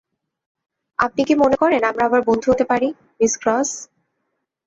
আপনি কি মনে করেন আমরা আবার বন্ধু হতে পারি, মিস ক্রস?